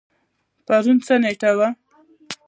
پرون څه نیټه وه؟